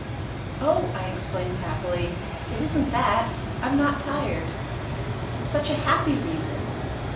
"Oh," I explained happily, "it is n't that I 'm not tired. It is such a happy reason!"